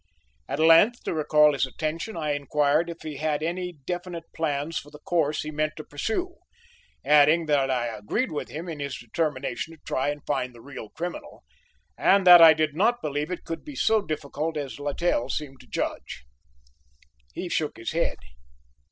At length, to recall his attention, I inquired if he had any definite plans for the course he meant to pursue, adding that I agreed with him in his determination to try and find the real criminal, and that I did not believe it could be so difficult as Littell seemed to judge. He shook his head.